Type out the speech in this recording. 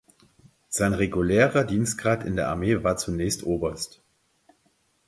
Sein regulärer Dienstgrad in der Armee war zunächst Oberst.